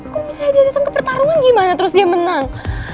kalau misalnya dia datang ke pertarungan gimana terus dia menang